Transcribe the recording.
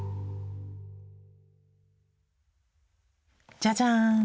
じゃじゃん！